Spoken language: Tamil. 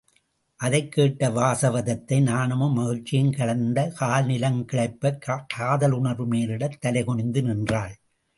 அதைக் கேட்ட வாசவதத்தை நாணமும் மகிழ்ச்சியும் கலந்து கால் நிலங் கிளைப்பக் காதலுணர்வு மேலிடத் தலைகுனிந்து நின்றாள்.